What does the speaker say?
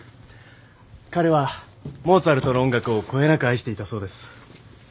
彼はモーツァルトの音楽をこよなく愛していたそうです。